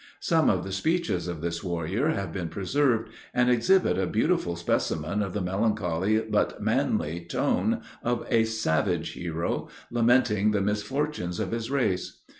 Some of the speeches of this warrior have been preserved, and exhibit a beautiful specimen of the melancholy but manly tone of a savage hero, lamenting the misfortunes of his race.